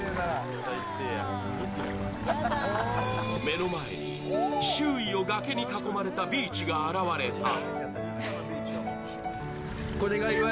目の前に、周囲を崖に囲まれたビーチが現れた。